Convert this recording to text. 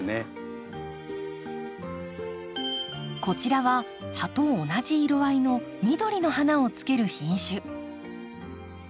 こちらは葉と同じ色合いの緑の花をつける品種。